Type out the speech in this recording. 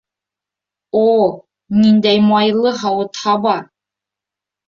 О, ниндәй майлы һауыт-һаба!